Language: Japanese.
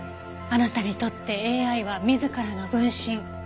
あなたにとってＡＩは自らの分身。